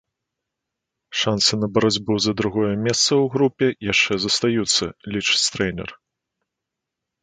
Шанцы на барацьбу за другое месца ў групе яшчэ застаюцца, лічыць трэнер.